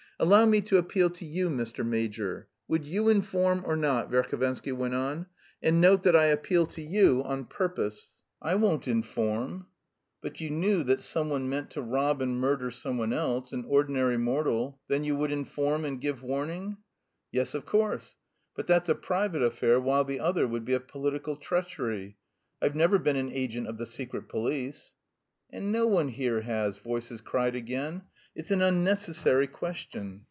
"Allow me to appeal to you, Mr. Major. Would you inform or not?" Verhovensky went on. "And note that I appeal to you on purpose." "I won't inform." "But if you knew that someone meant to rob and murder someone else, an ordinary mortal, then you would inform and give warning?" "Yes, of course; but that's a private affair, while the other would be a political treachery. I've never been an agent of the Secret Police." "And no one here has," voices cried again. "It's an unnecessary question.